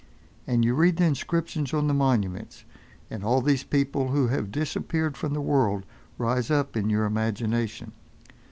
And you read the inscriptions on the monuments, and all these people who have disappeared from the world rise up in your imagination.